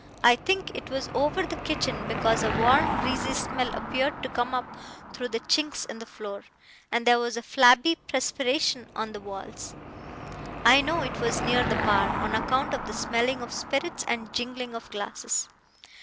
I think it was over the kitchen, because a warm greasy smell appeared to come up through the chinks in the floor, and there was a flabby perspiration on the walls. I know it was near the bar, on account of the smell of spirits and jingling of glasses.